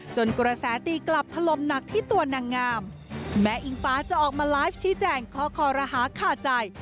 กระแสตีกลับถล่มหนักที่ตัวนางงามแม้อิงฟ้าจะออกมาไลฟ์ชี้แจงข้อคอรหาขาใจ